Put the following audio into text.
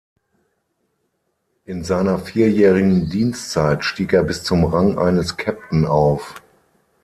In seiner vierjährigen Dienstzeit stieg er bis zum Rang eines Captain auf.